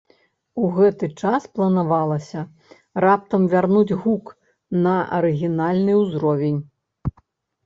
У гэты час планавалася раптам вярнуць гук на арыгінальны ўзровень.